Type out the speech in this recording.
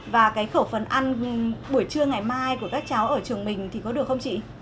và cái khẩu phần ăn buổi trưa ngày mai của các cháu ở trường mình thì có được không chị